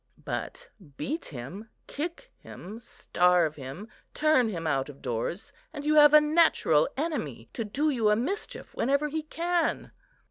But beat him, kick him, starve him, turn him out of doors; and you have a natural enemy to do you a mischief whenever he can."